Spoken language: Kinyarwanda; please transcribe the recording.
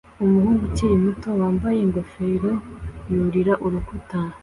Umuhungu ukiri muto wambaye ingofero yurira urukuta